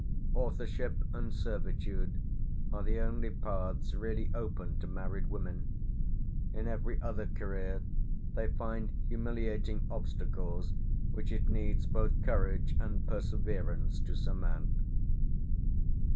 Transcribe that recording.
Authorship and servitude are the only paths really open to married women; in every other career they find humiliating obstacles which it needs both courage and perseverance to surmount.